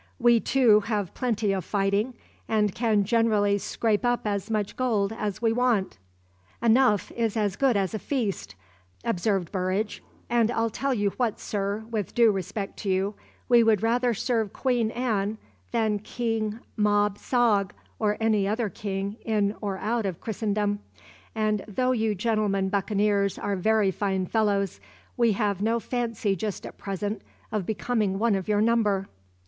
We, too, have plenty of fighting, and can generally scrape up as much gold as we want." "Enough is as good as a feast," observed Burridge; "and I'll tell you what, sir, with due respect to you, we would rather serve Queen Anne than King Mobb Sogg, or any other king in or out of Christendom; and though you gentlemen buccaneers are very fine fellows, we have no fancy just at present of becoming one of your number."